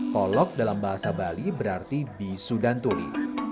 kolok dalam bahasa bali berarti bisu dan tuli